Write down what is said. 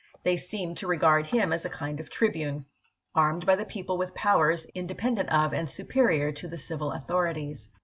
They seemed to regard him as a kind of tribune, armed by the people with powers independent of and superior to the civil authorities.